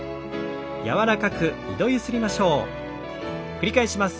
繰り返します。